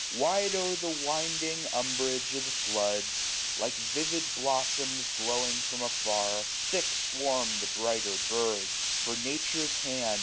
Wide o'er the winding umbrage of the floods. Like vivid blossoms glowing from afar, Thick swarm the brighter birds. For Nature's hand.